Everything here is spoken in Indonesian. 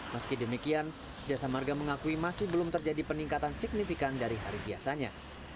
meski demikian jasa marga mengakui masih belum terjadi peningkatan signifikan dari hari biasanya